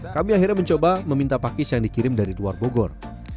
kami akhirnya mencoba meminta pakis yang dikirim dari luar bogor